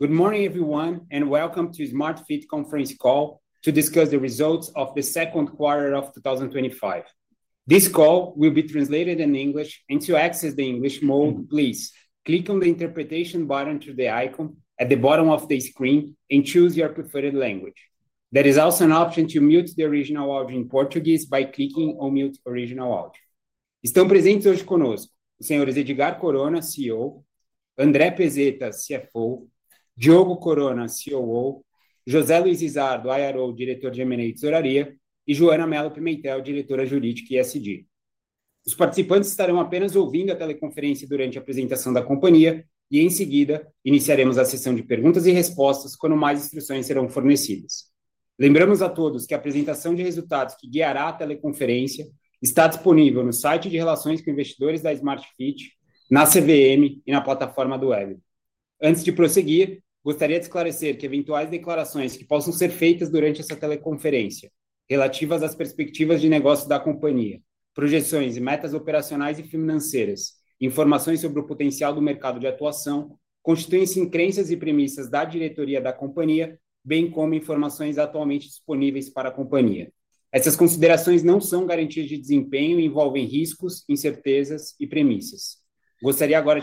Good morning, everyone, and welcome to Smart Fit conference call to discuss the results of the 2025. This call will be translated in English. And to access the English mode, please click on the interpretation button to the icon at the bottom of the screen and choose your preferred language. There is also an option to mute the original audio in Portuguese by clicking on mute original audio. Percent. Percent.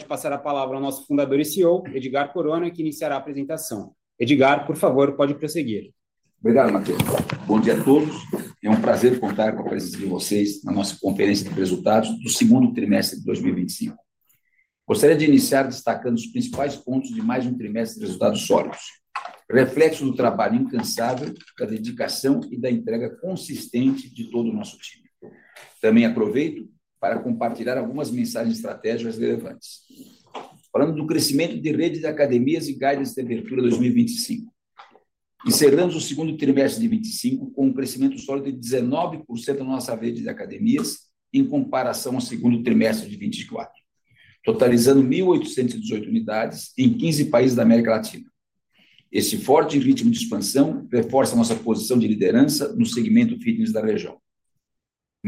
Percent to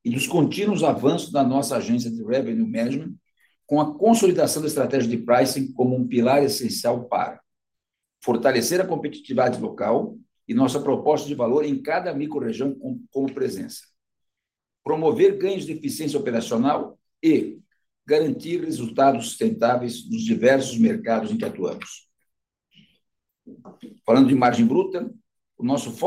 the primary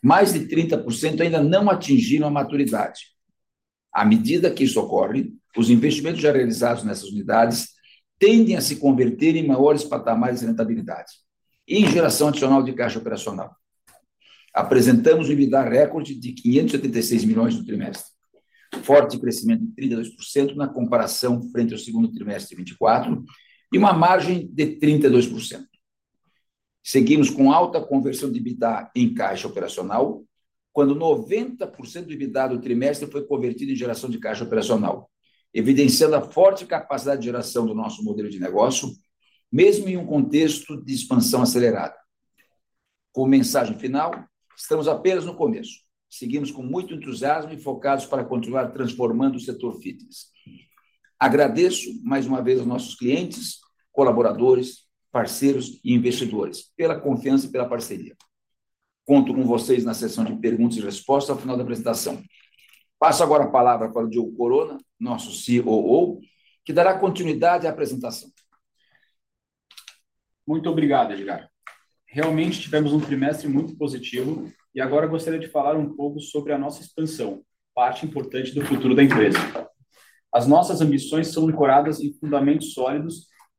three mass. Was moving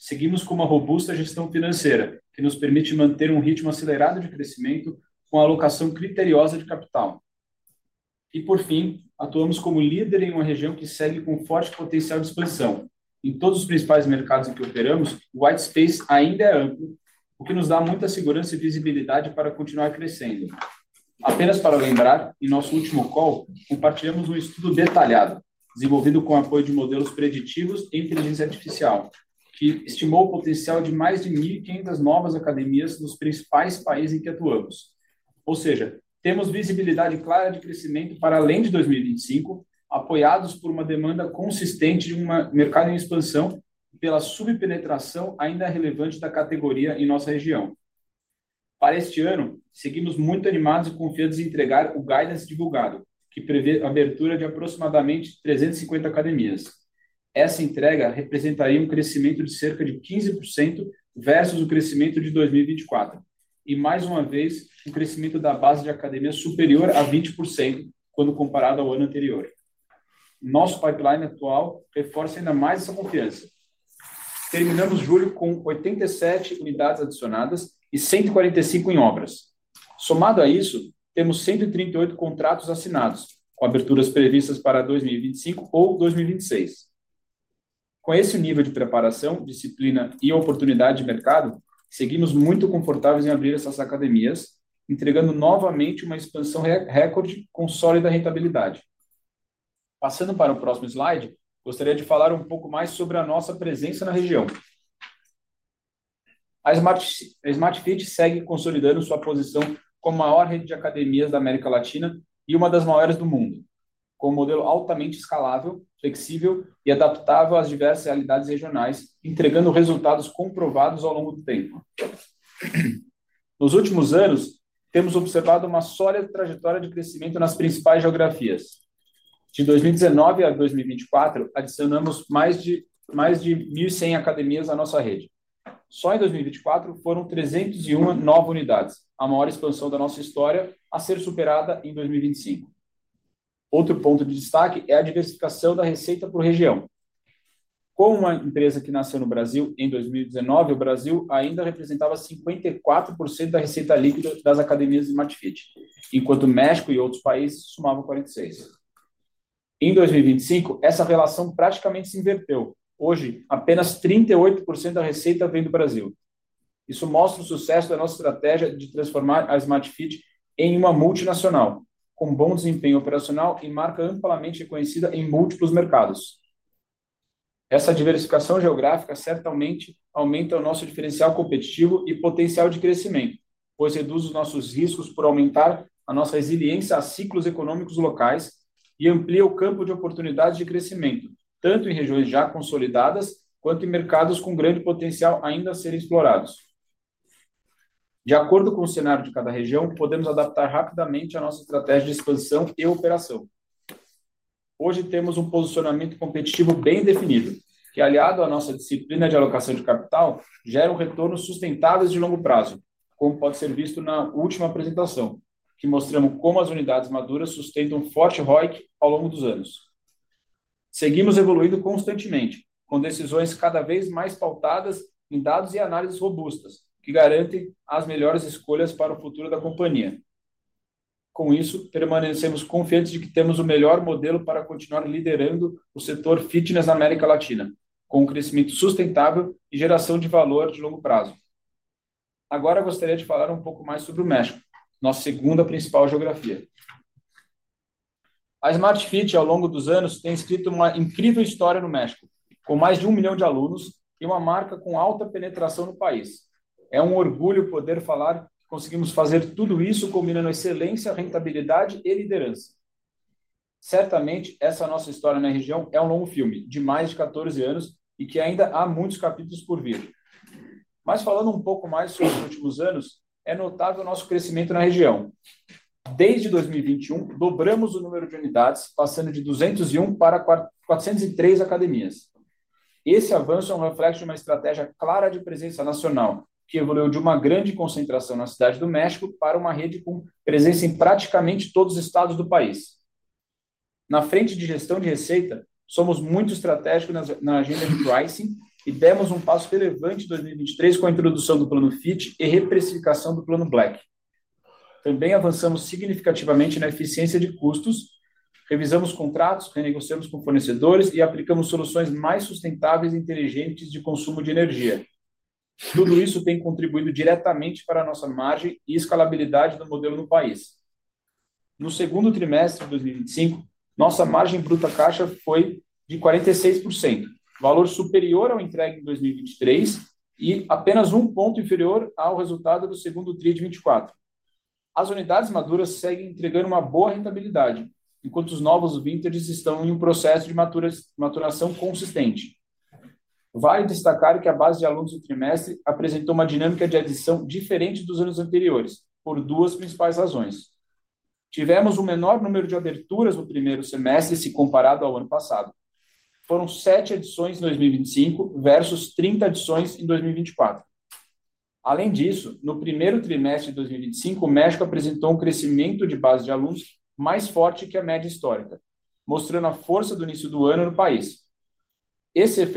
seen. Percent versus. Performance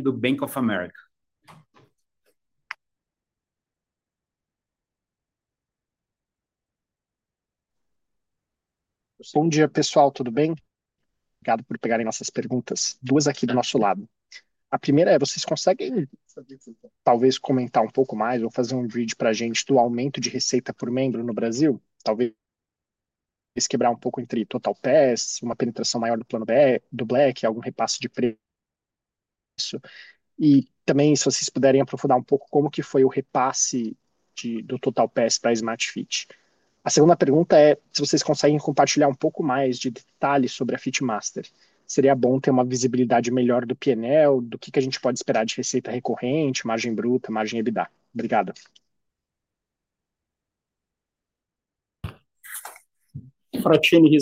Bank of America. Revenue management.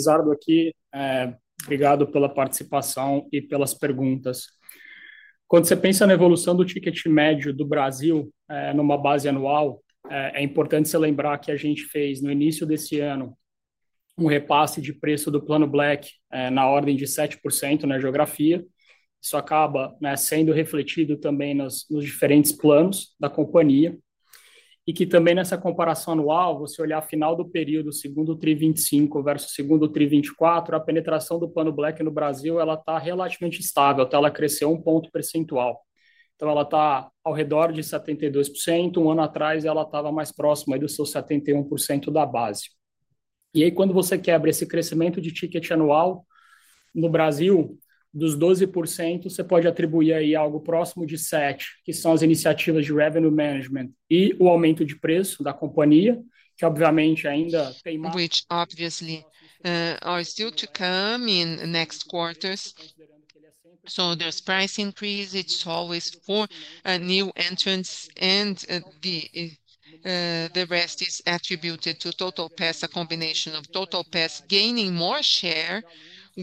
Which obviously, are still to come in next quarters. So there's price increase. It's always for a new entrance, and the rest is attributed to TotalPest, a combination of TotalPest gaining more share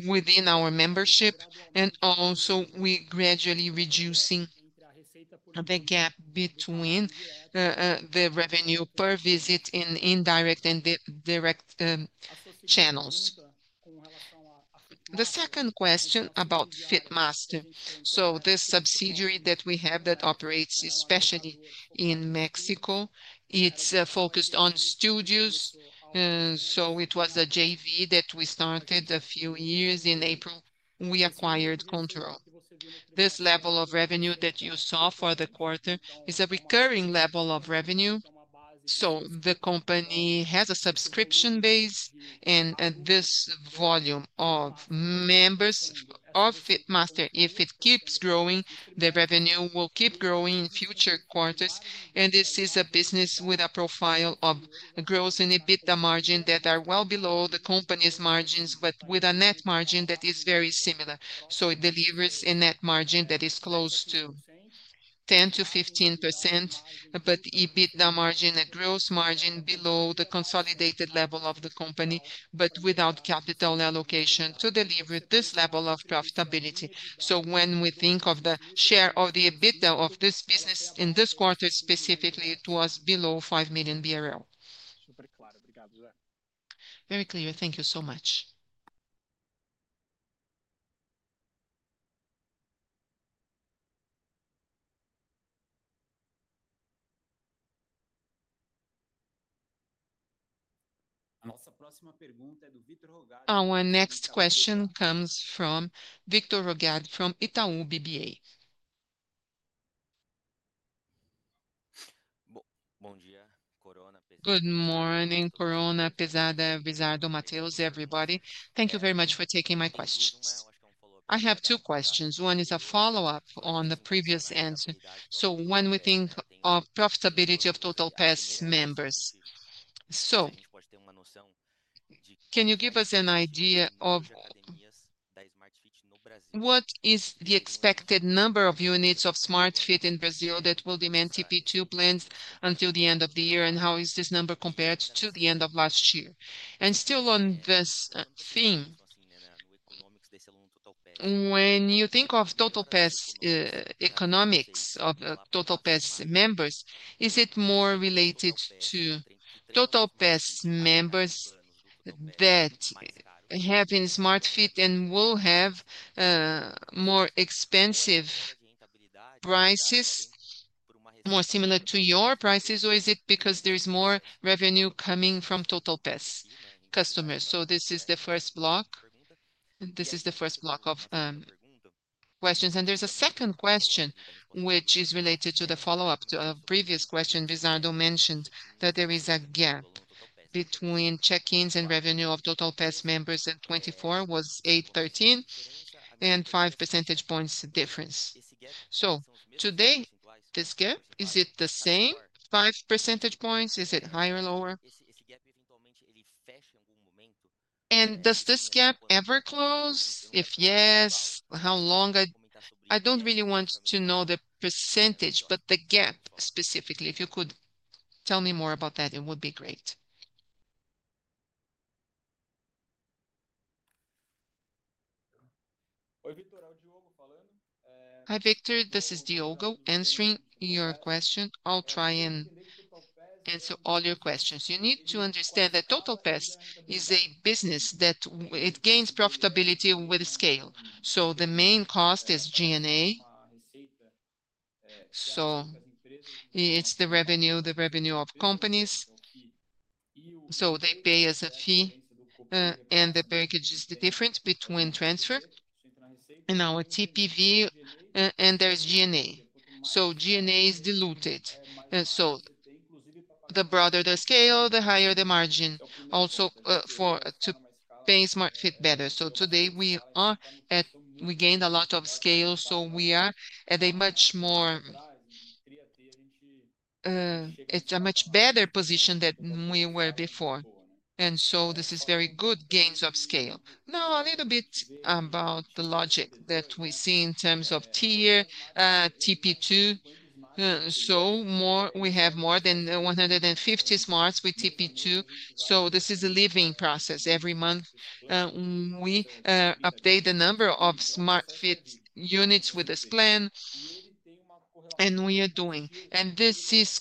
within our membership. And also, we're gradually reducing the gap between the revenue per visit in indirect and direct channels. The second question about FitMaster. So this subsidiary that we have that operates especially in Mexico, it's focused on studios. So it was a JV that we started a few years in April. We acquired Control. This level of revenue that you saw for the quarter is a recurring level of revenue. So the company has a subscription base and this volume of members of FitMaster, if it keeps growing, the revenue will keep growing future quarters. And this is a business with a profile of gross and EBITDA margin that are well below the company's margins, but with a net margin that is very similar. So it delivers a net margin that is close to 10% to 15%, but EBITDA margin and gross margin below the consolidated level of the company, but without capital allocation to deliver this level of profitability. So when we think of the share of the EBITDA of this business in this quarter specifically, it was below 5,000,000. Very clear. Thank you so much. Our next question comes from Victor Rogad from Itau BBA. Good morning, Corona, Pesada, Visado, Matteo, everybody. Thank you very much for taking my questions. I have two questions. One is a follow-up on the previous answer. So one, think of profitability of Total Pass members. So can you give us an idea of what is the expected number of units of Smart Fit in Brazil that will demand TP2 plants until the end of the year? And how is this number compared to the end of last year? And still on this theme, when you think of TotalPest economics of TotalPest members, is it more related to TotalPest members that have in SmartFit and will have more expensive prices, more similar to your prices? Or is it because there is more revenue coming from TotalPest customers? So this is the first block of questions. And there's a second question, which is related to the follow-up to a previous question. Vizardo mentioned that there is a gap between check ins and revenue of Total Pass members at 24 was $8.13 and 5 percentage points difference. So today, this gap, is it the same, five percentage points? Is it higher or lower? And does this gap ever close? If yes, how long I'd I don't really want to know the percentage, but the gap specifically. If you could tell me more about that, it would be great. Hi, Victor. This is Diogo answering your question. I'll try and answer all your questions. You need to understand that Total Pest is a business that it gains profitability with scale. So the main cost is G and A. So it's the revenue the revenue of companies. So they pay us a fee, and the package is the difference between transfer and our TPV, there's G and A. So G and A is diluted. And so the broader the scale, the higher the margin also for to pay SmartFit better. So today, we are at we gained a lot of scale, so we are at a much more it's a much better position than we were before. And so this is very good gains of scale. Now a little bit about the logic that we see in terms of tier, t p two. So more we have more than 150 smarts with TP two. So this is a leaving process. Every month, we update the number of SmartFit units with this plan, and we are doing. And this is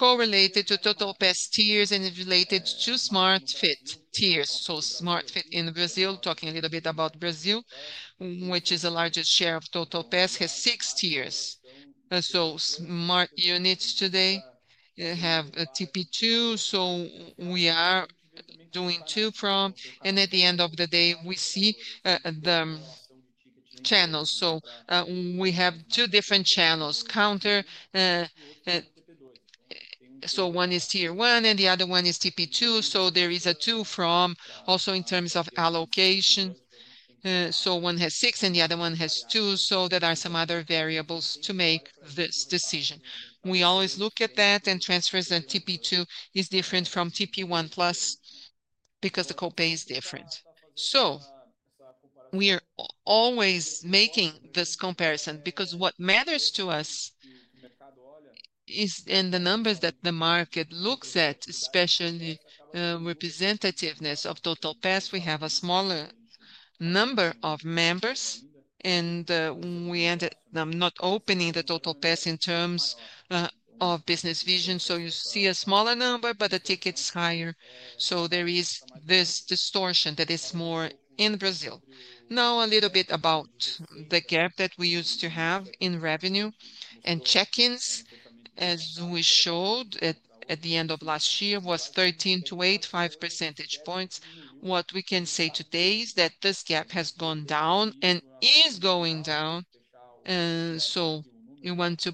correlated to TotalPest tiers and is related to SmartFit tiers. So SmartFit in Brazil, talking a little bit about Brazil, which is the largest share of TotalPest, has six tiers. So smart units today have TP2. So we are doing two from. And at the end of the day, we see the channels. So we have two different channels, counter. So one is Tier one and the other one is TP2. So there is a two from also in terms of allocation. So one has six and the other one has variables to make this decision. We always look at that and transfers that TP two is different from TP one plus because the co pay is different. So we are always making this comparison because what matters to us is in the numbers that the market looks at, especially representativeness of Total Pest. We have a smaller number of members and we ended not opening the total pass in terms of business vision. So you see a smaller number, but the ticket is higher. So there is this distortion that is more in Brazil. Now a little bit about the gap that we used to have in revenue and check ins. As we showed at the end of last year, was 13.285 percentage points. What we can say today is that this gap has gone down and is going down. And so we want to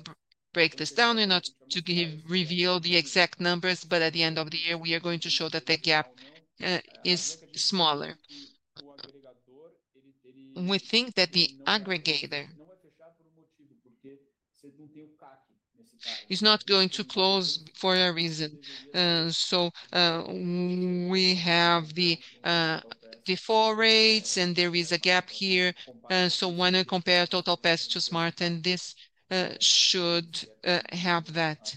break this down and not to give reveal the exact numbers, but at the end of the year, we are going to show that the gap is smaller. We think that the aggregator is not going to close for a reason. So we have the default rates, and there is a gap here. So when I compare total pass to Smart, then this should have that.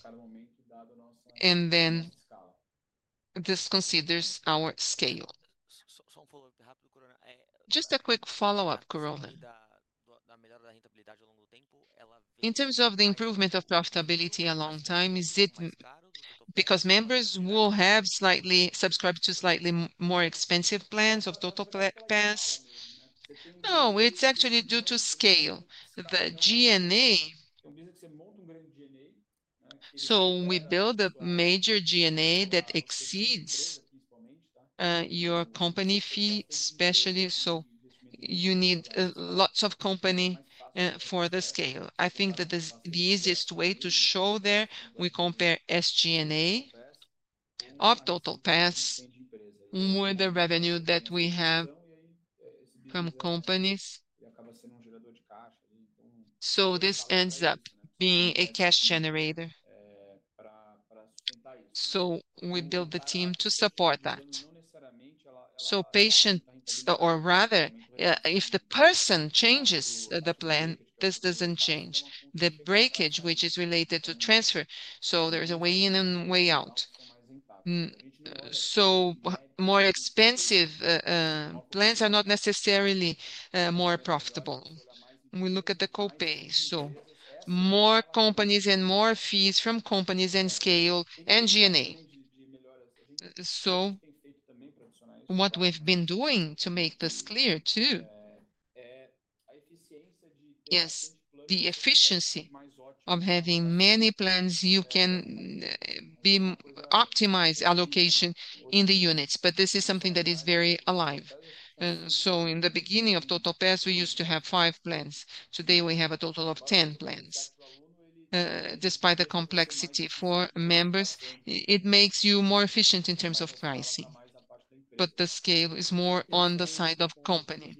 And then this considers our scale. Just a quick follow-up, Corona. In terms of the improvement of profitability a long time, is it because members will have slightly subscribed to slightly more expensive plans of Total Pass? No. It's actually due to scale. The GNA. So we build a major GNA that exceeds your company fee, especially so you need lots of company for the scale. I think that the easiest way to show there, we compare SG and A of total pass with the revenue that we have from companies. So this ends up being a cash generator. So we build the team to support that. So patients or rather, if the person changes the plan, this doesn't change. The breakage, which is related to transfer, so there is a way in and way out. So more expensive plants are not necessarily more profitable. We look at the co pay. So more companies and more fees from companies and scale and G and A. So what we've been doing to make this clear too, Yes. The efficiency of having many plans, you can be optimized allocation in the units, but this is something that is very alive. So in the beginning of Total Pes, we used to have five plants. Today, have a total of 10 plants. Despite the complexity for members, it makes you more efficient in terms of pricing, But the scale is more on the side of company.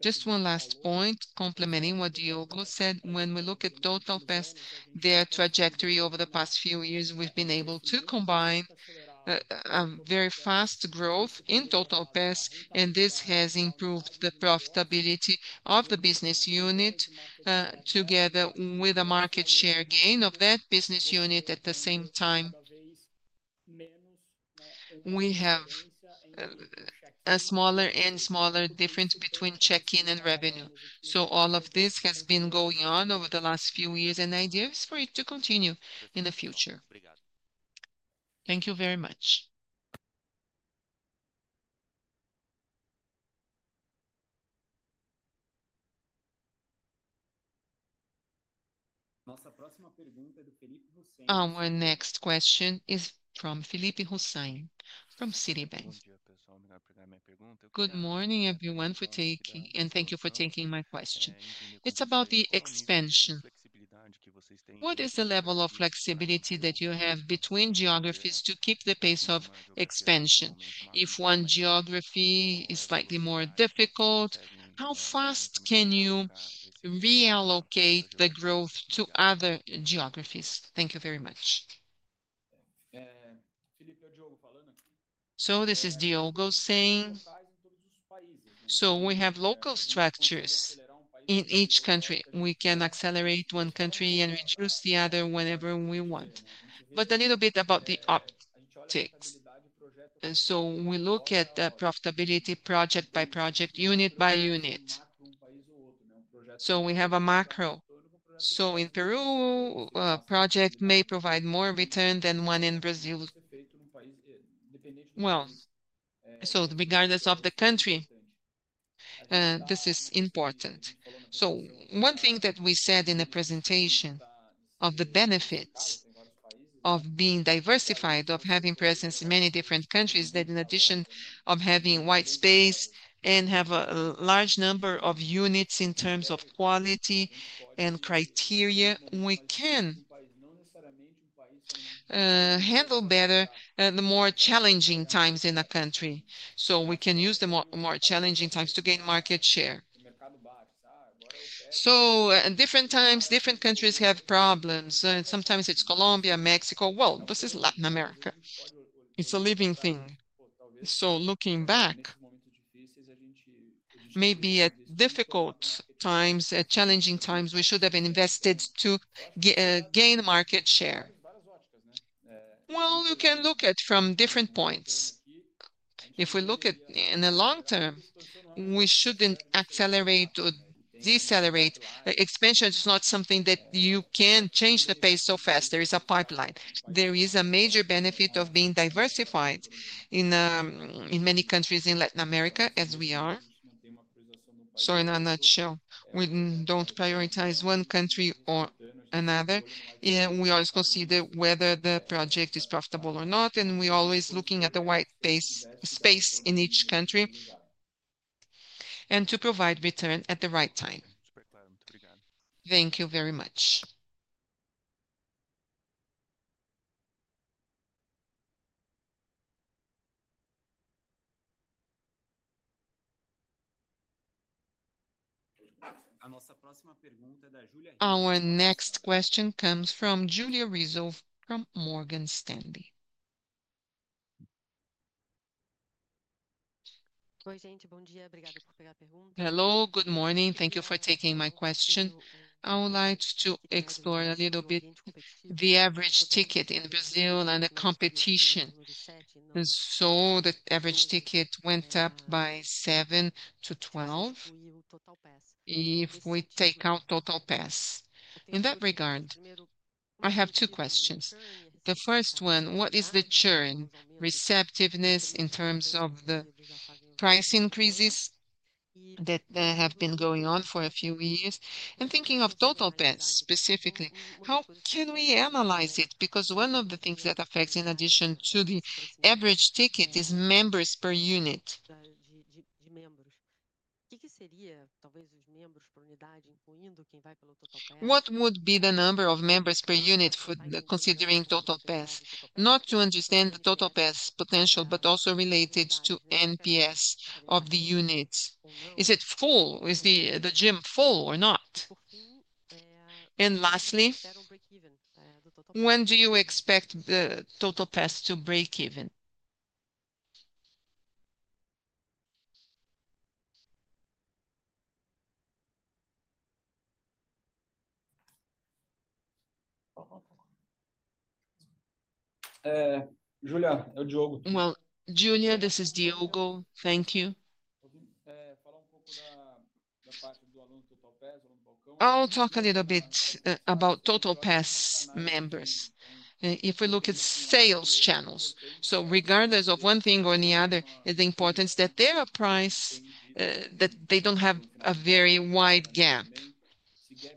Just one last point, complementing what Diogo said. When we look at Total Pest, their trajectory over the past few years, we've been able to combine very fast growth in Total Pes, and this has improved the profitability of the business unit together with a market share gain of that business unit at the same time. We have a smaller and smaller difference between check-in and revenue. So all of this has been going on over the last few years, and ideas for it to continue in the future. Thank you very much. Our next question is from Felipe Hussain from Citibank. Good morning, everyone, for taking and thank you for taking my question. It's about the expansion. What is the level of flexibility that you have between geographies to keep the pace of expansion? If one geography is slightly more difficult, how fast can you reallocate the growth to other geographies? Thank you very much. So this is Diogo saying, so we have local structures in each country. We can accelerate one country and reduce the other whenever we want. But a little bit about the optics. And so we look at profitability project by project, unit by unit. So we have a macro. So in Peru, project may provide more return than one in Brazil. Well, so regardless of the country, this is important. So one thing that we said in the presentation of the benefits of being diversified, of having presence in many different countries that in addition of having white space and have a large number of units in terms of quality and criteria, we can handle better the more challenging times in a country. So we can use the more challenging times to gain market share. So different times, different countries have problems. Sometimes it's Colombia, Mexico, world. This is Latin America. It's a living thing. So looking back, maybe at difficult times, at challenging times, we should have invested to gain market share. Well, you can look at from different points. If we look at in the long term, we shouldn't accelerate or decelerate. Expansion is not something that you can change the pace so fast. There is a pipeline. There is a major benefit of being diversified in many countries in Latin America as we are. So in a nutshell, we don't prioritize one country or another. And we also see that whether the project is profitable or not, and we're always looking at the white space in each country and to provide return at the right time. Thank you very much. Our next question comes from Julia Rizov from Morgan Stanley. Hello, good morning. Thank you for taking my question. I would like to explore a little bit the average ticket in Brazil and the competition. So the average ticket went up by seven to 12 if we take out total pass. In that regard, I have two questions. The first one, what is the churn receptiveness in terms of the price increases that have been going on for a few years? And thinking of total bets specifically, how can we analyze it? Because one of the things that affects in addition to the average ticket is members per unit. What would be the number of members per unit for considering TotalPass? Not to understand the TotalPass potential, but also related to NPS of the units. Is it full? Is the the gym full or not? And lastly, when do you expect the TotalPest to breakeven? Julia. Well, Julia, this is Diogo. Thank you. I'll talk a little bit about Total Pass members. If we look at sales channels, so regardless of one thing or any other, it's important that their price that they don't have a very wide gap.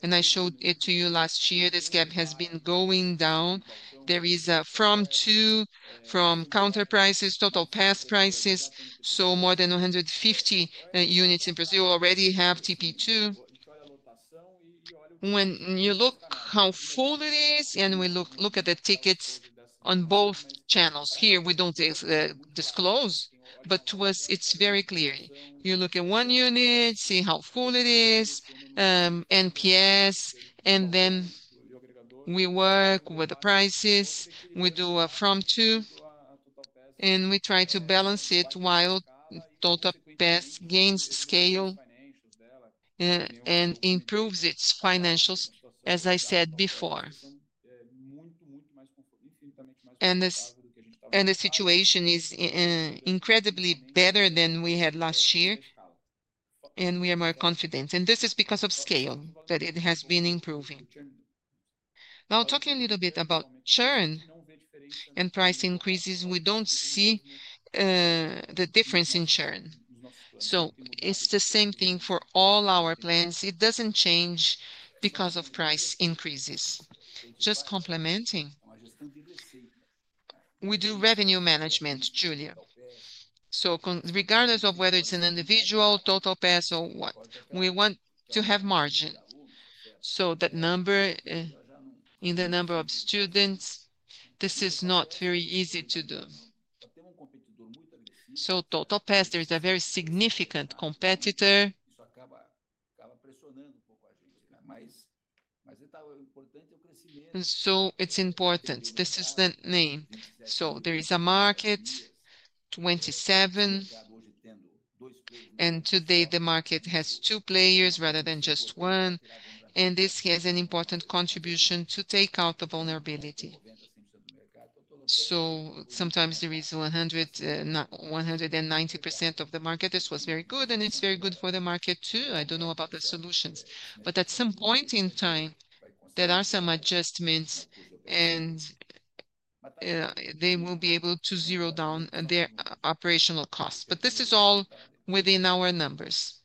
And I showed it to you last year, this gap has been going down. There is a from to, from counter prices, total pass prices. So more than 150 units in Brazil already have TP2. When you look how full it is and we look look at the tickets on both channels here, we don't disclose, but to us, it's very clear. You look at one unit, see how full it is, NPS, and then we work with the prices. We do a from to, and we try to balance it while Total Pest gains scale and improves its financials, as I said before. And this and the situation is incredibly better than we had last year, and we are more confident. And this is because of scale that it has been improving. Now talking a little bit about churn and price increases, we don't see, the difference in churn. So it's the same thing for all our plans. It doesn't change because of price increases. Just complementing. We do revenue management, Julia. So regardless of whether it's an individual, Total or what, we want to have margin. So that number in the number of students, this is not very easy to do. So TotalPest, there is a very significant competitor, and so it's important. This is the name. So there is a market, 27. And today, the market has two players rather than just one. And this has an important contribution to take out the vulnerability. So sometimes there is 190% of the market. This was very good, and it's very good for the market, too. I don't know about the solutions. But at some point in time, there are some adjustments, and they will be able to zero down their operational costs. But this is all within our numbers.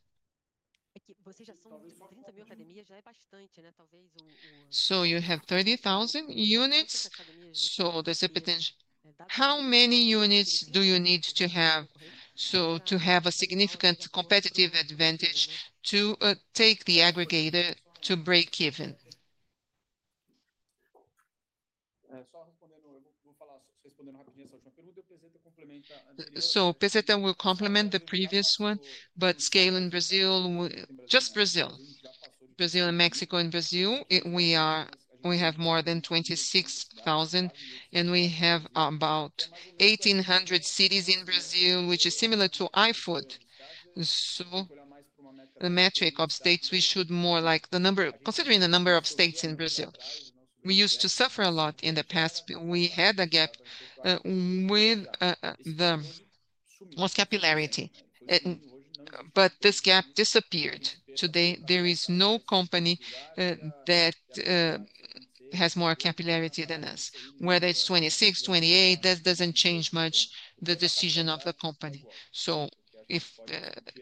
So you have 30,000 units. So there's a potential. How many units do you need to have so to have a significant competitive advantage to take the aggregated to breakeven? So Peceta will complement the previous one, but scale in Brazil Brazil. Brazil and Mexico and Brazil, we are we have more than 26,000, and we have about 1,800 cities in Brazil, which is similar to IFFOOD. So the metric of states, we should more like the number considering the number of states in Brazil. We used to suffer a lot in the past. We had a gap with the most capillarity, but this gap disappeared. Today, there is no company that has more capillarity than us. Whether it's 26%, 28%, that doesn't change much the decision of the company. So if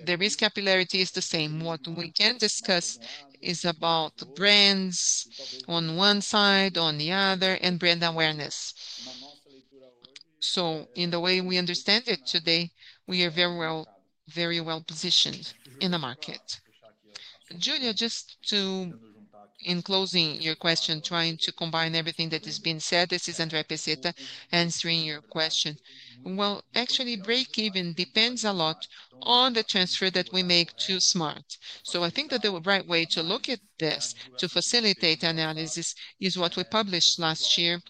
the risk capillarity is the same. What we can discuss is about brands on one side, on the other, and brand awareness. So in the way we understand it today, we are very well very well positioned in the market. Giulio, just to in closing your question, trying to combine everything that has been said. This is Andre Peceta answering your question. Well, actually breakeven depends a lot on the transfer that we make to SMART. So I think that the right way to look at this to facilitate analysis is what we published last year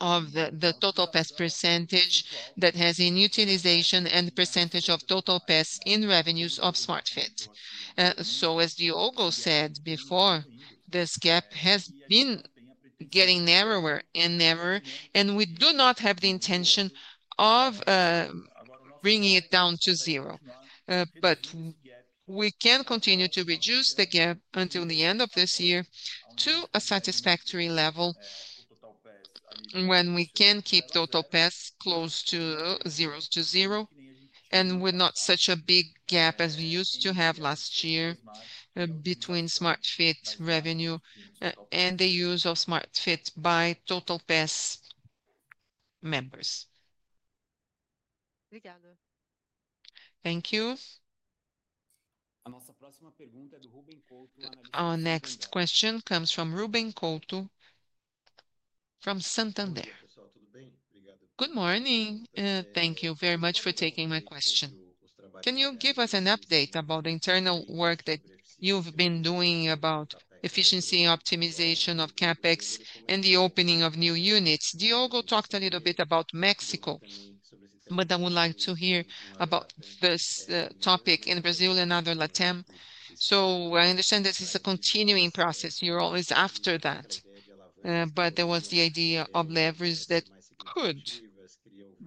of the total pest percentage that has in utilization and the percentage of total pest in revenues of SmartFit. So as Diogo said before, this gap has been getting narrower and narrower, and we do not have the intention of bringing it down to zero. But we can continue to reduce the gap until the end of this year to a satisfactory level when we can keep total pass close to zero to zero and with not such a big gap as we used to have last year between Smart Fit revenue and the use of Smart Fit by Total Pass members. Our next question comes from Ruben Cotto from Santander. Good morning. Thank you very much for taking my question. Can you give us an update about the internal work that you've been doing about efficiency optimization of CapEx and the opening of new units? Diogo talked a little bit about Mexico, but I would like to hear about this topic in Brazil and other LatAm. So I understand this is a continuing process. You're always after that, but there was the idea of leverage that could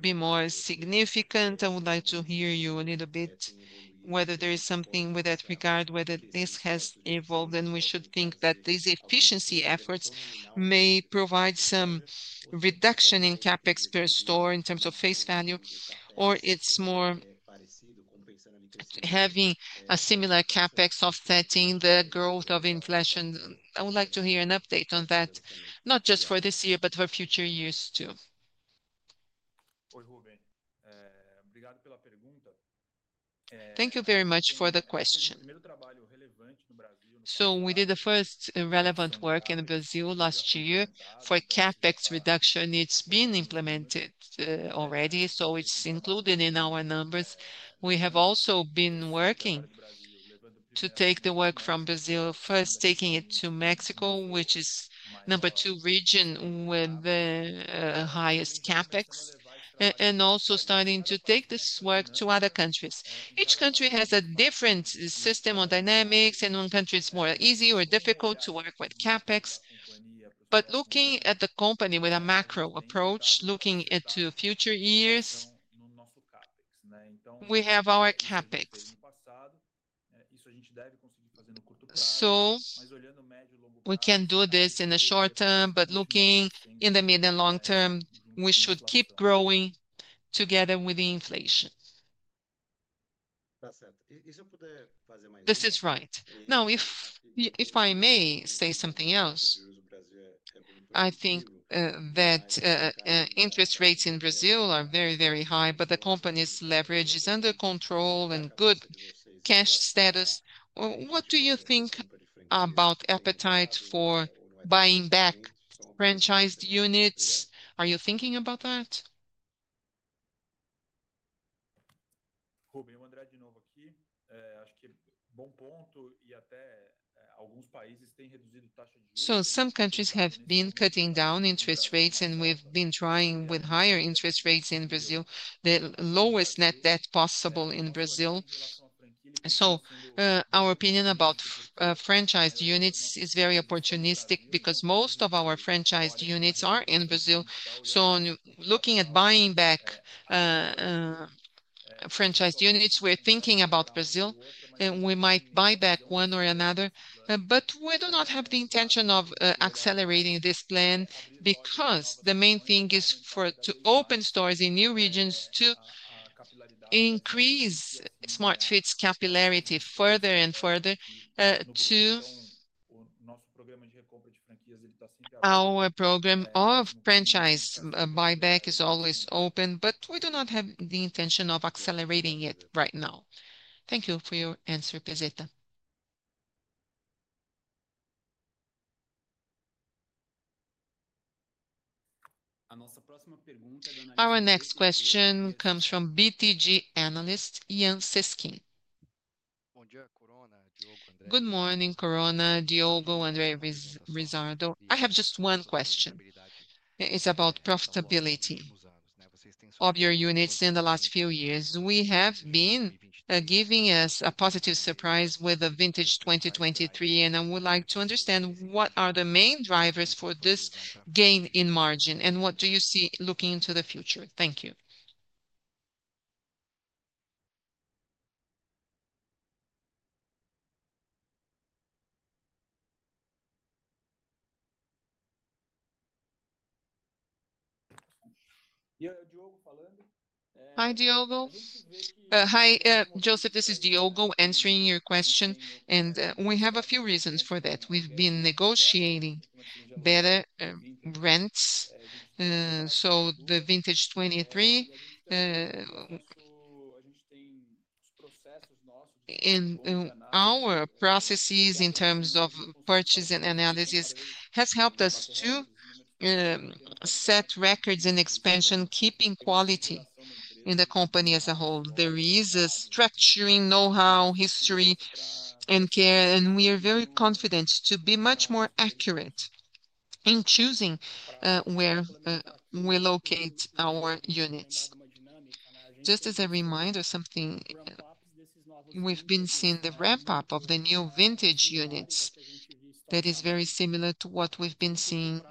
be more significant. I would like to hear you a little bit whether there is something with that regard, whether this has evolved, and we should think that these efficiency efforts may provide some reduction in CapEx per store in terms of face value? Or it's more having a similar CapEx offsetting the growth of inflation? I would like to hear an update on that, not just for this year, but for future years too. Thank you very much for the question. So we did the first relevant work in Brazil last year for CapEx reduction. It's been implemented already, so it's included in our numbers. We have also been working to take the work from Brazil, first taking it to Mexico, which is number two region with the highest CapEx and also starting to take this work to other countries. Each country has a different system or dynamics and one country is more easy or difficult to work with CapEx. But looking at the company with a macro approach, looking into future years, we have our CapEx. So we can do this in the short term, but looking in the mid and long term, we should keep growing together with the inflation. This is right. Now if if I may say something else, I think that interest rates in Brazil are very, very high, but the company's leverage is under control and good cash status. What do you think about appetite for buying back franchised units? Are you thinking about that? So some countries have been cutting down interest rates, and we've been trying with higher interest rates in Brazil, the lowest net debt possible in Brazil. So our opinion about franchised units is very opportunistic because most of our franchised units are in Brazil. So looking at buying back franchised units, we're thinking about Brazil and we might buy back one or another. But we do not have the intention of accelerating this plan because the main thing is for to open stores in new regions to increase SmartFit's capillarity further and further to our program of franchise buyback is always open, but we do not have the intention of accelerating it right now. Thank you for your answer, Pazeta. Our next question comes from BTG analyst, Iain Siskin. Good morning, Corona, Diogo, Andre, Rizardo. I have just one question. It's about profitability of your units in the last few years. We have been giving us a positive surprise with the Vintage 2023, and I would like to understand what are the main drivers for this gain in margin? And what do you see looking into the future? Thank you. Hi, Diogo. Hi, Joseph. This is Diogo answering your question, and we have a few reasons for that. We've been negotiating better rents. So the Vintage 23 in our processes in terms of purchase and analysis has helped us to set records in expansion, keeping quality in the company as a whole. There is a structuring, know how, history and care, and we are very confident to be much more accurate in choosing where we locate our units. Just as a reminder, something we've been seeing the ramp up of the new vintage units that is very similar to what we've been seeing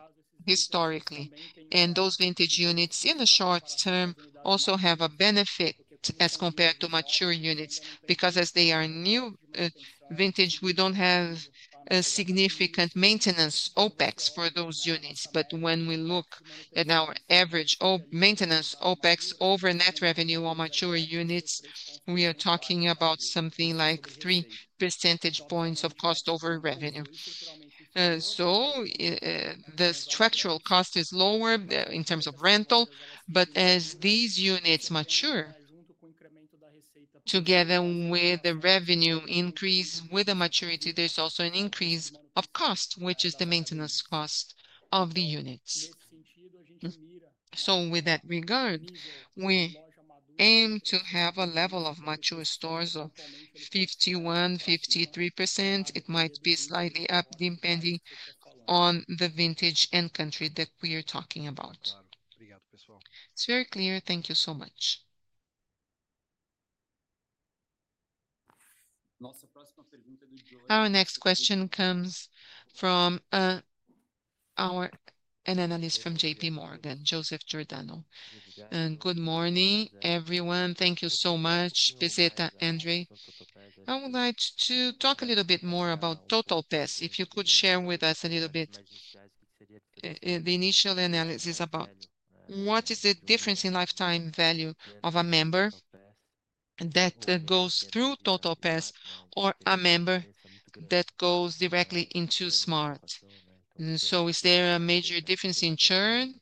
historically. And those vintage units in the short term also have a benefit as compared to mature units. Because as they are new vintage, we don't have a significant maintenance OpEx for those units. But when we look at our average maintenance OpEx over net revenue on mature units, we are talking about something like three percentage points of cost over revenue. So the structural cost is lower in terms of rental, but as these units mature together with the revenue increase with the maturity, there's also an increase of cost, which is the maintenance cost of the units. So with that regard, we aim to have a level of mature stores of 51, 53%. It might be slightly up depending on the vintage and country that we are talking about. It's very clear. Thank you so much. Our next question comes from our an analyst from JPMorgan, Joseph Giordano. I would like to talk a little bit more about Total Pest. If you could share with us a little bit the initial analysis about what is the difference in lifetime value of a member that goes through TotalPass or a member that goes directly into Smart. So is there a major difference in churn?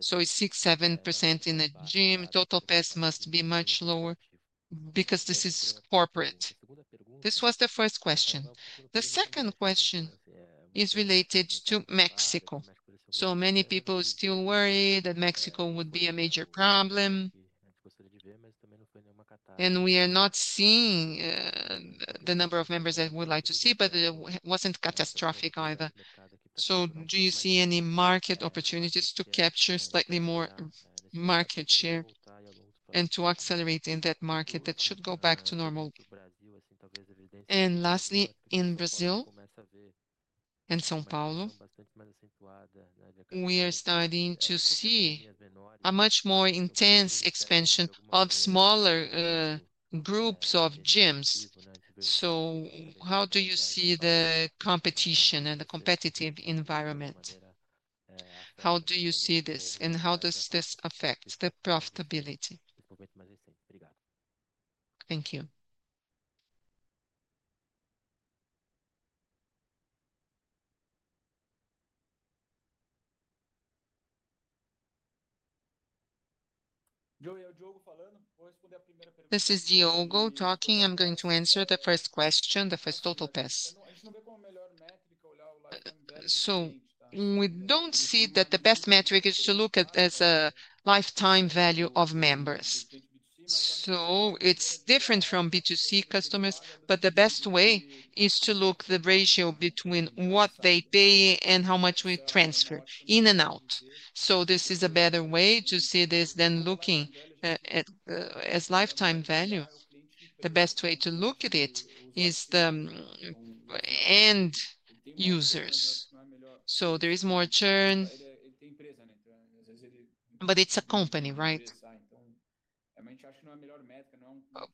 So it's 7% in the gym. Total pest must be much lower because this is corporate. This was the first question. The second question is related to Mexico. So many people still worry that Mexico would be a major problem, and we are not seeing the number of members that we'd like to see, but it wasn't catastrophic either. So do you see any market opportunities to capture slightly more market share and to accelerate in that market that should go back to normal? And lastly, in Brazil and Sao Paulo, we are starting to see a much more intense expansion of smaller groups of gyms. So how do you see the competition and the competitive environment? How do you see this? And how does this affect the profitability? Thank you. This is Diogo talking. I'm going to answer the first question, the first total test. So we don't see that the best metric is to look at as a lifetime value of members. So it's different from B2C customers, but the best way is to look the ratio between what they pay and how much we transfer in and out. So this is a better way to see this than looking as lifetime value. The best way to look at it is the end users. So there is more churn, but it's a company, right?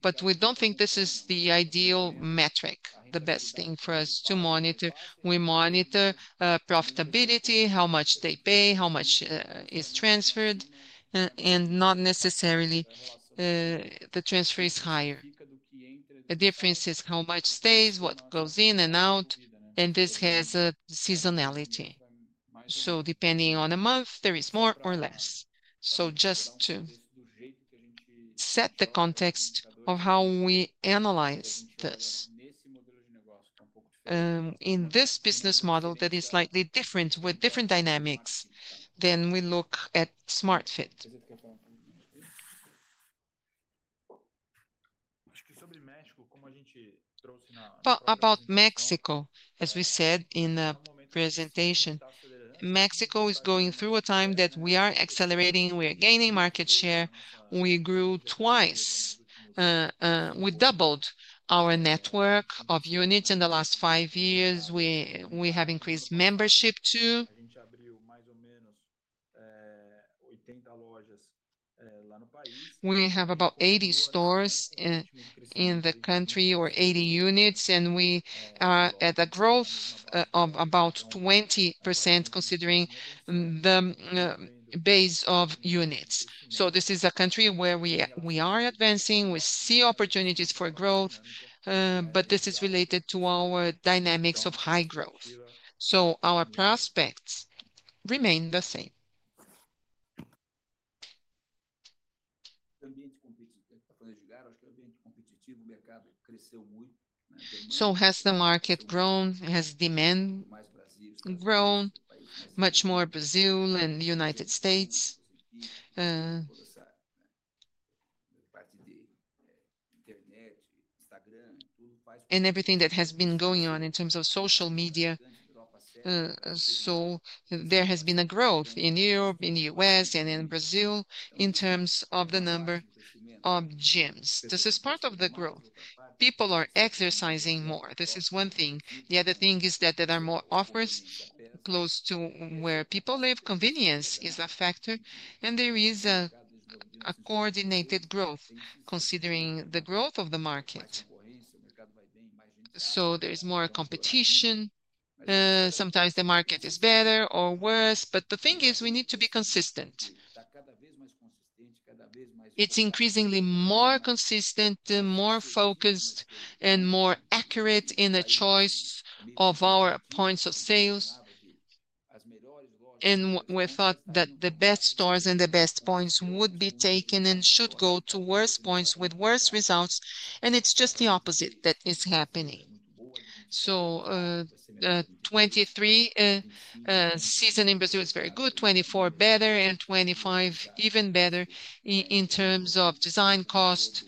But we don't think this is the ideal metric, the best thing for us to monitor. We monitor profitability, how much they pay, how much is transferred, not necessarily the transfer is higher. The difference is how much stays, what goes in and out, and this has a seasonality. So depending on a month, there is more or less. So just to set the context of how we analyze this. In this business model that is slightly different with different dynamics, then we look at SmartFit. About Mexico, as we said in the presentation, Mexico is going through a time that we are accelerating. We are gaining market share. We grew twice. We doubled our network of units in the last five years. We we have increased membership too. We have about 80 stores in the country or 80 units, and we are at a growth of about 20% considering the base of units. So this is a country where we are advancing. We see opportunities for growth, but this is related to our dynamics of high growth. So our prospects remain the same. So has the market grown? Has demand grown much more Brazil and United States? And everything that has been going on in terms of social media. So there has been a growth in Europe, in US, and in Brazil in terms of the number of gyms. This is part of the growth. People are exercising more. This is one thing. The other thing is that there are more offers close to where people live. Convenience is a factor. And there is a coordinated growth considering the growth of the market. So there is more competition. Sometimes the market is better or worse, but the thing is we need to be consistent. It's increasingly more consistent, more focused and more accurate in the choice of our points of sales. And we thought that the best stores and the best points would be taken and should go to worse points with worse results, and it's just the opposite that is happening. So '23 season in Brazil is very good, '24 better, and 25 even better in terms of design cost.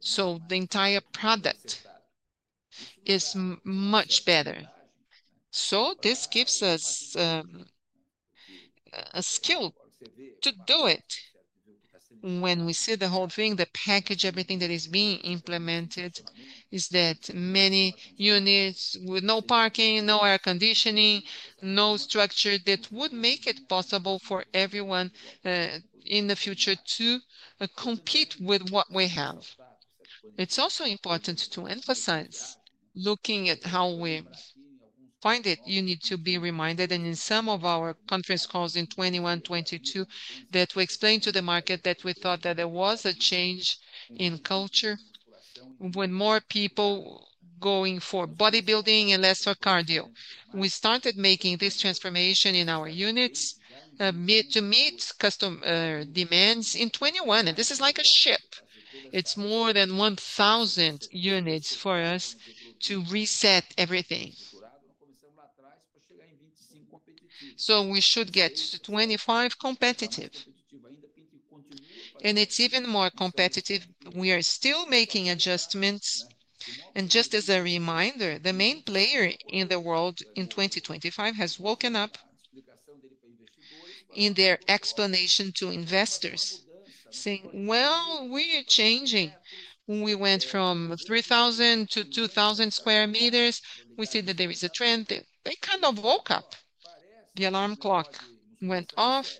So the entire product is much better. So this gives us a skill to do it. When we see the whole thing, the package, everything that is being implemented is that many units with no parking, no air conditioning, no structure that would make it possible for everyone in the future to compete with what we have. It's also important to emphasize looking at how we find it, you need to be reminded. And in some of our conference calls in 2021, 2022, that we explained to the market that we thought that there was a change in culture with more people going for bodybuilding and less for cardio. We started making this transformation in our units to meet customer demands in 2021, and this is like a ship. It's more than 1,000 units for reset everything. So we should get to '25 competitive. And it's even more competitive. We are still making adjustments. And just as a reminder, the main player in the world in 2025 has woken up in their explanation to investors saying, well, we are changing. We went from 3,000 to 2,000 square meters. We see that there is a trend. They they kind of woke up. The alarm clock went off.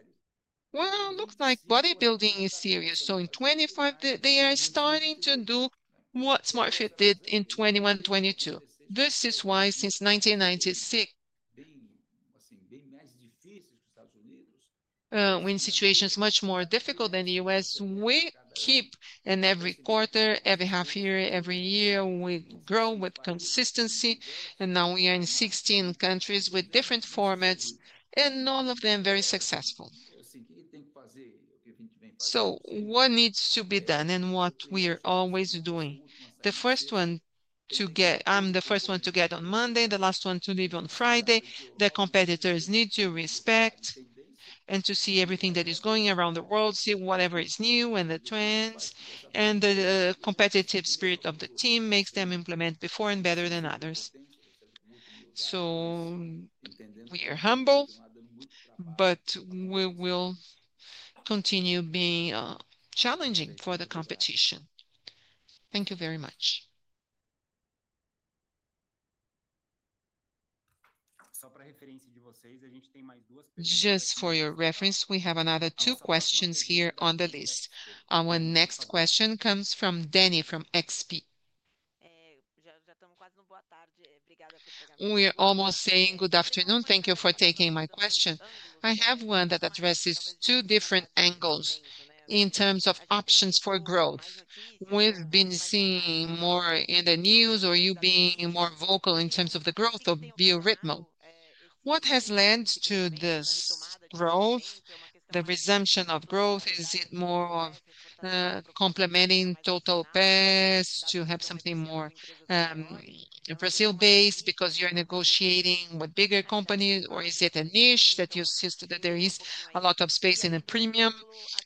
Well, looks like bodybuilding is serious. So in '25, they they are starting to do what Smart Fit did in 2122. This is why since 1996, when situation is much more difficult than The US, keep in every quarter, every half year, every year, we grow with consistency. And now we are in 16 countries with different formats, and none of them very successful. So what needs to be done and what we are always doing? The first one to get I'm the first one to get on Monday, the last one to leave on Friday. The competitors need to respect and to see everything that is going around the world, see whatever is new and the trends, and the competitive spirit of the team makes them implement before and better than others. So we are humble, but we will continue being challenging for the competition. Thank you very much. Just for your reference, we have another two questions here on the list. Our next question comes from Dani from XP. We are almost saying good afternoon. Thank you for taking my question. I have one that addresses two different angles in terms of options for growth. We've been seeing more in the news or you being more vocal in terms of the growth of Bioritmo. What has led to this growth, the resumption of growth? Is it more of, complementing Total Pest to have something more Brazil based because you're negotiating with bigger companies, or is it a niche that you see that there is a lot of space in the premium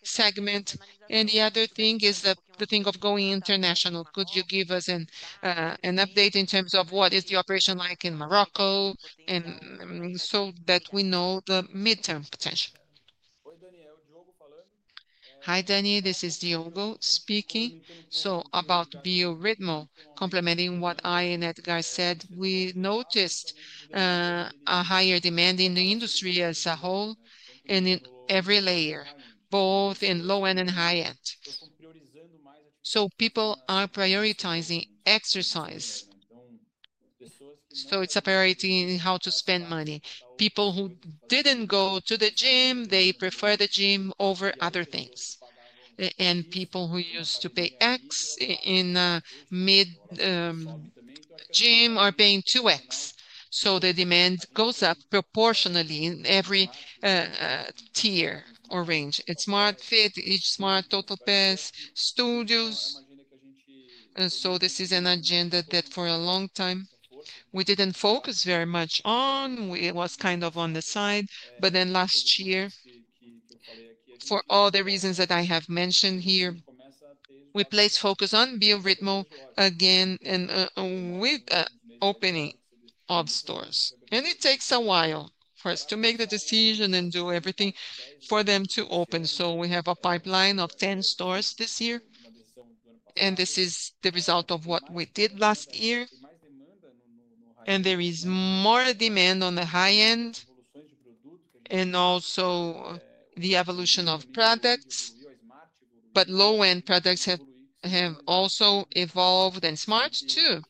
segment? And the other thing is that the thing of going international. Could you give us an update in terms of what is the operation like in Morocco and so that we know the midterm potential. Hi, Danny. This is Diogo speaking. So about BioRhythmo, complementing what I and Edgar said, we noticed a higher demand in the industry as a whole and in every layer, both in low end and high end. So people are prioritizing exercise. So it's a priority in how to spend money. People who didn't go to the gym, they prefer the gym over other things. And people who used to pay x in mid gym are paying 2x. So the demand goes up proportionally in every tier or range. It's Smart Fit, It's Smart Total Pass, Studios. And so this is an agenda that for a long time, we didn't focus very much on. We it was kind of on the side. But then last year, all the reasons that I have mentioned here, We placed focus on Bioritmo again and with opening of stores. And it takes a while for us to make the decision and do everything for them to open. So we have a pipeline of 10 stores this year, and this is the result of what we did last year. And there is more demand on the high end and also the evolution of products, but low end products have also evolved and smart too.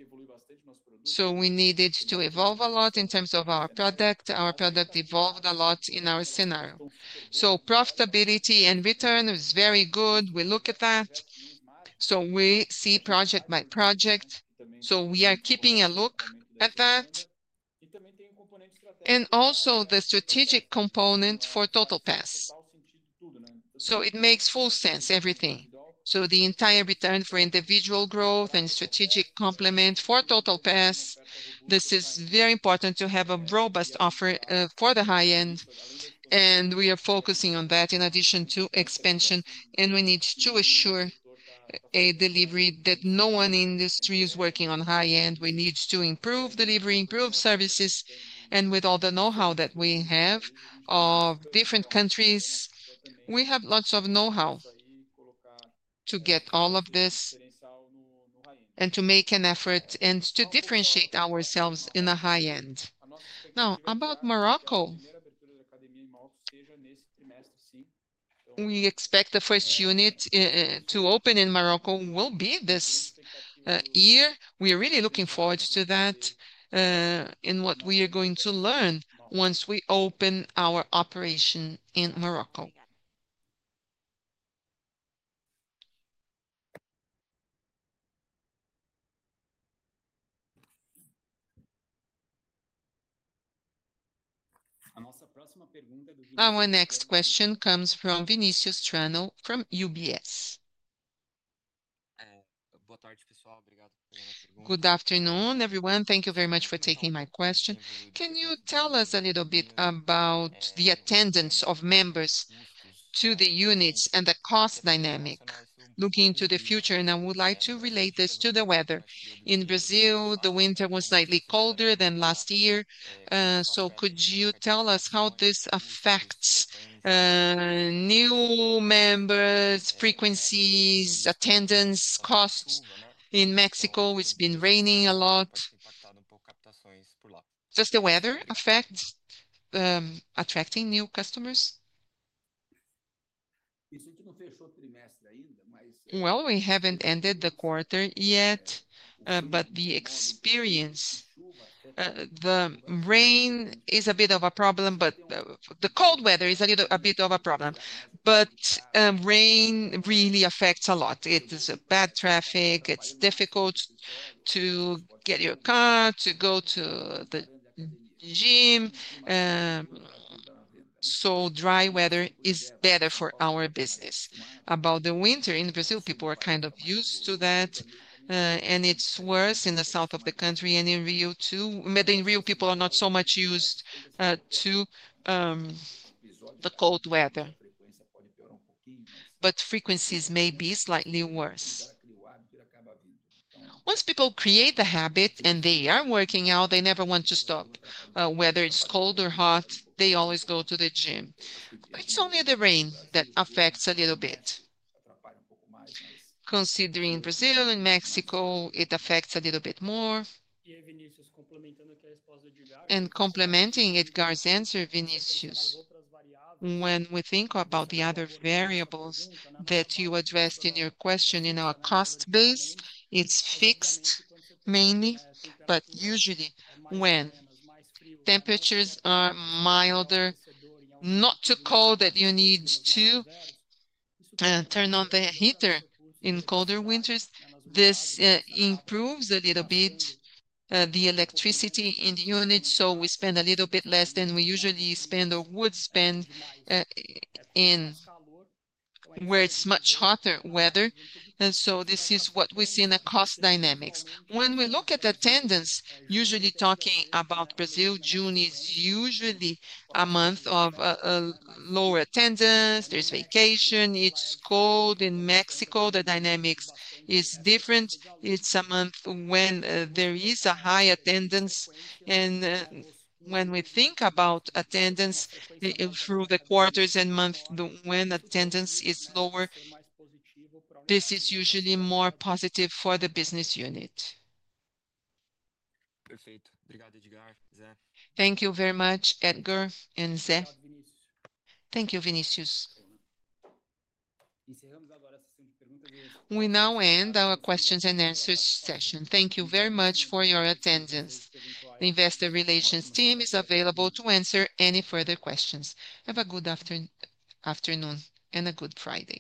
So we needed to evolve a lot in terms of our product. Our product evolved a lot in our scenario. So profitability and return is very good. We look at that. So we see project by project. So we are keeping a look at that. And also the strategic component for Total Pass. So it makes full sense, everything. So the entire return for individual growth and strategic complement for Total Pass, this is very important to have a robust offer for the high end, And we are focusing on that in addition to expansion. And we need to assure a delivery that no one in this industry is working on high end. We need to improve delivery, improve services. And with all the know how that we have of different countries. We have lots of know how to get all of this and to make an effort and to differentiate ourselves in the high end. Now about Morocco. We expect the first unit to open in Morocco will be this year. We are really looking forward to that in what we are going to learn once we open our operation in Morocco. Our next question comes from Vinicius Trano from UBS. Good afternoon, everyone. Thank you very much for taking my question. Can you tell us a little bit about the attendance of members to the units and the cost dynamic looking to the future? And I would like to relate this to the weather. In Brazil, the winter was slightly colder than last year. So could you tell us how this affects, new members, frequencies, attendance costs in Mexico? It's been raining a lot. Does the weather affect, attracting new customers? Well, we haven't ended the quarter yet, but the experience, the rain is a bit of a problem, but the cold weather is a little bit of a problem. But rain really affects a lot. It is a bad traffic. It's difficult to get your car, to go to the gym. So dry weather is better for our business. About the winter in Brazil, people are kind of used to that, and it's worse in the south of the country and in Rio too. But in Rio, people are not so much used to the cold weather, but frequencies may be slightly worse. Once people create the habit and they are working out, they never want to stop. Whether it's cold or hot, they always go to the gym. It's only the rain that affects a little bit. Considering Brazil and Mexico, it affects a little bit more. And complementing it, Garza's answer, Vinicius. When we think about the other variables that you addressed in your question in our cost base, it's fixed mainly, but usually when temperatures are milder, not too cold that you need to turn on the heater in colder winters. This, improves a little bit, the electricity in the unit. So we spend a little bit less than we usually spend or would spend in where it's much hotter weather. And so this is what we see in the cost dynamics. When we look at attendance, usually talking about Brazil, June is usually a month of lower attendance. There's vacation. It's cold. In Mexico, the dynamics is different. It's a month when, there is a high attendance. And when we think about attendance through the quarters and months, when attendance is lower, this is usually more positive for the business unit. Thank you very much, Edgar and Ze. Thank you, Vinicius. We now end our questions and answers session. Thank you very much for your attendance. The Investor Relations team is available to answer any further questions. Have a good afternoon and a good Friday.